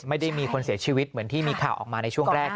ไม่ได้มีคนเสียชีวิตเหมือนที่มีข่าวออกมาในช่วงแรก